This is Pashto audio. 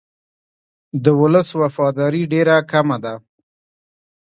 د ولس وفاداري ډېره کمه ده.